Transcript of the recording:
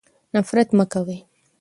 نفرت مه کوئ.